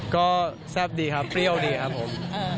ก็แซ่บดีครับเปรี้ยวดีครับผม